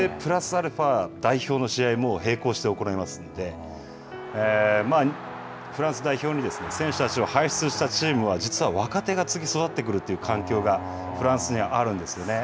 アルファ代表の試合も並行して行いますので、フランス代表に選手たちを輩出したチームは、実は若手が次、育ってくるという環境がフランスにはあるんですよね。